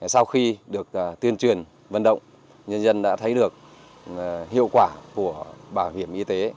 sau khi được tuyên truyền vận động nhân dân đã thấy được hiệu quả của bảo hiểm y tế